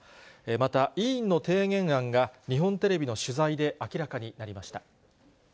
また委員の提言案が日本テレビの取材で明らかになりました。